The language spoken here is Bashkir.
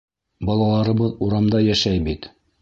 Балаларыбыҙ урамда йәшәй бит!